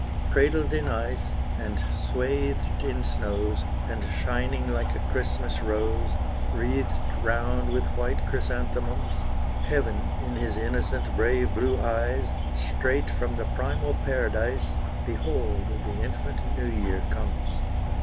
Cradled in ice, and swathed in snows, And shining like a Christmas rose, Wreathed round with white chrysanthemums; Heaven in his innocent, brave blue eyes, Straight from the primal paradise, Behold the infant New Year comes!